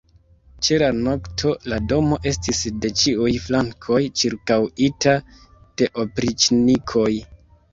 Ĉe la nokto la domo estis de ĉiuj flankoj ĉirkaŭita de opriĉnikoj.